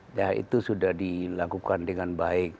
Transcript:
nah itu sudah dilakukan dengan baik